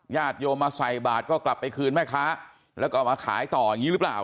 ญาติโยมมาใส่บาทก็กลับไปคืนแม่ค้าแล้วก็เอามาขายต่ออย่างนี้หรือเปล่า